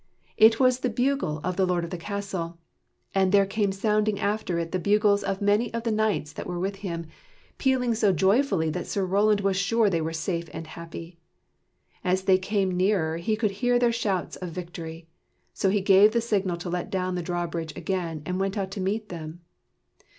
It was the bugle of the lord of the castle, and there came sounding after it the bugles of many of the knights that were with him, pealing so joyfully that Sir Roland was sure they were safe and happy. As they came nearer, he could hear their shouts of victory. So he gave the signal to let down the drawbridge again, and went out to meet them.